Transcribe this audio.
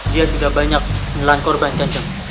dia sudah banyak menelan korban saja